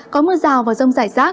có mưa rào và rông rải rác